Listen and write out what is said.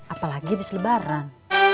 apalagi habis lebaran